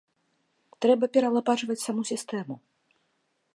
Трэба пералапачваць саму сістэму.